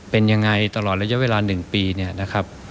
เป็นยังไงตลอดระยะเวลาหนึ่งปีเนี้ยนะครับครับ